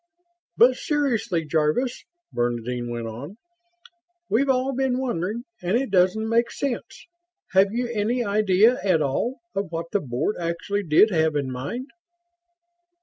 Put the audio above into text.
"But seriously, Jarvis," Bernadine went on. "We've all been wondering and it doesn't make sense. Have you any idea at all of what the Board actually did have in mind?"